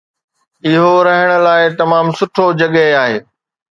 اهو رهڻ لاء هڪ تمام سٺو جڳهه آهي